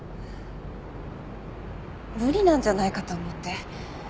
無理なんじゃないかと思って。